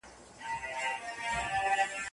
بد مرغه خوب